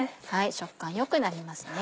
食感良くなりますね。